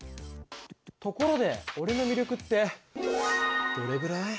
ところで俺の魅力ってどれぐらい？